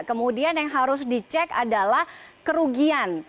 kemudian yang harus dicek adalah kerugian